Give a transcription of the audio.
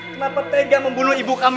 kenapa tega membunuh ibu kami